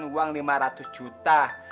uang lima ratus juta